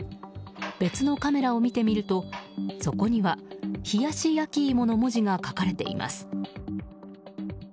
別のカメラを見てみるとそこには冷やし焼き芋の文字が書かれています。